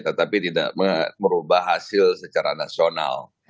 tetapi tidak merubah hasil secara nasional